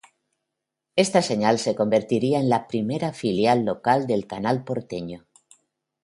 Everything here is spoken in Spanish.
Esta señal se convertiría en la primera filial local del canal porteño.